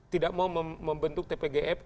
tidak mau membentuk tpgf